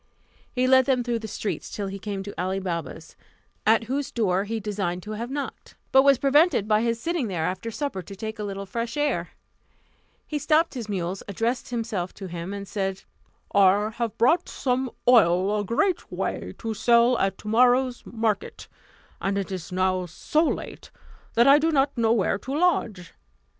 He led them through the streets, till he came to Ali Baba's, at whose door he designed to have knocked; but was prevented by his sitting there after supper to take a little fresh air. He stopped his mules, addressed himself to him, and said, "I have brought some oil a great way, to sell at tomorrow's market; and it is now so late that I do not know where to lodge.